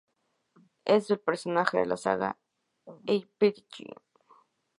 Es un personaje de la "saga Eyrbyggja".